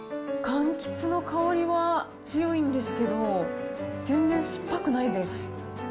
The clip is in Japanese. かんきつの香りは強いんですけど、全然酸っぱくないです。